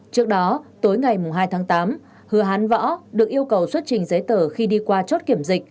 trước đó tối ngày hai tháng tám hứa hán võ được yêu cầu xuất trình giấy tờ khi đi qua chốt kiểm dịch